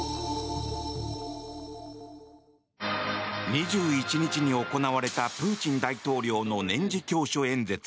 ２１日に行われたプーチン大統領の年次教書演説。